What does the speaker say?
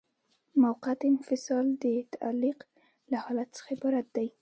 موقت انفصال د تعلیق له حالت څخه عبارت دی.